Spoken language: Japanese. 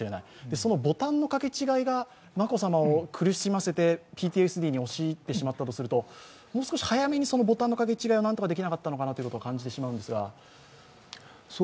そのボタンの掛け違いが眞子さまを苦しませてＰＴＳＤに押し入ってしまったとするともう少し早めにそのボタンの掛け違いを直せたのではないかと思うんですが。